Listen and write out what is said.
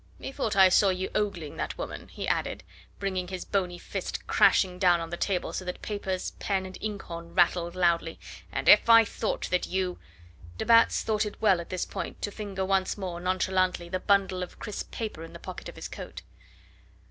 Methought I saw you ogling that woman," he added, bringing his bony fist crashing down on the table so that papers, pen, and inkhorn rattled loudly; "and if I thought that you " De Batz thought it well at this point to finger once more nonchalantly the bundle of crisp paper in the pocket of his coat.